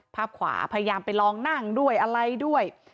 ภาพขวาพยายามไปลองนั่งด้วยอะไรด้วย